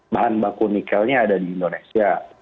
bahan baku nikelnya ada di indonesia